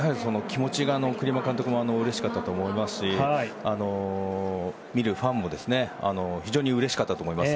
栗山監督もうれしかったと思いますし見るファンも非常にうれしかったと思います。